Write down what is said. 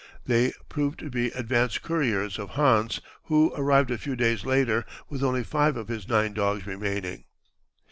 They proved to be advance couriers of Hans, who arrived a few days later, with only five of his nine dogs remaining.